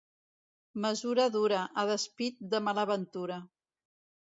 Mesura dura, a despit de mala ventura.